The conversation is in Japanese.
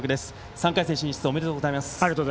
３回戦進出おめでとうございます。